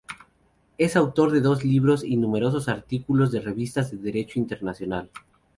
Es autor de dos libros y numerosos artículos de revistas de derecho internacional.